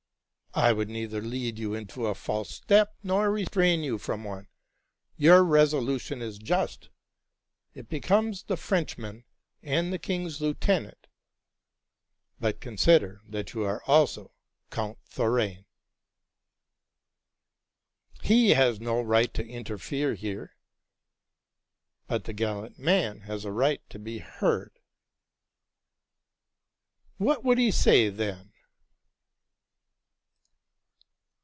'' '*T would neither lead you into a false step nor restrain you from one: your resolutionis just,—it becomes the French man and the king's lieutenant; but consider that you are also Count Thorane."' '¢ He has no right to interfere here.'' '¢ But the gallant man has a right to be heard.'' '¢ What would he say, then?